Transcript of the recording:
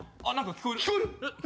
聞こえた。